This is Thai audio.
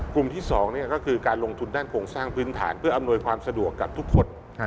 กลุ่มที่๒ก็คือการลงทุนด้านโครงสร้างพื้นฐานเพื่ออำนวยความสะดวกกับทุกคน